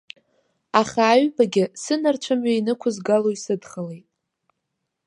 Аха аҩбагьы сынарцәымҩа инықәызгало исыдхалеит.